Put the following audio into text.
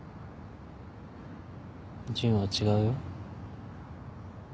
純は違うよ。